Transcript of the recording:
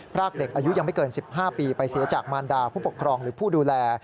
รากเด็กอายุยังไม่เกิน๑๕ปีไปเสียจากมารดาผู้ปกครองหรือผู้ดูแล